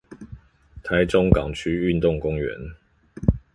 臺中港區運動公園